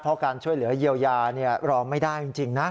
เพราะการช่วยเหลือเยียวยารอไม่ได้จริงนะ